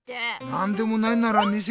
なんでもないなら見せてよ。